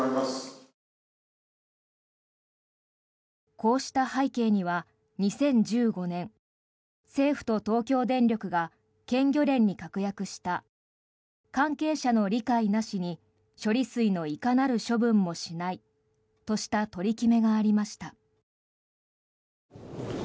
こうした背景には、２０１５年政府と東京電力が県漁連に確約した関係者の理解なしに処理水のいかなる処分もしないとした取り決めがありました。